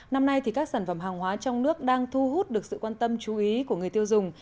năm nay các sản phẩm hàng hóa trong nước đang thu hút được sự quan tâm chú ý của người tiêu dùng